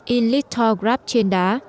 in lithograph trên đá